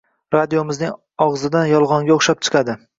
Radiomizning og‘zidan yolg‘onga o‘xshab chiqadi.